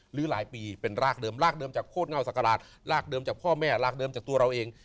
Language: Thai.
หรือหลายปีเป็นรากเดิมรากเดิมจากโคตรเงาศักราชรากเดิมจากพ่อแม่รากเดิมจากตัวเราเอง